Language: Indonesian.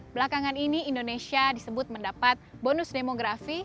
belakangan ini indonesia disebut mendapat bonus demografi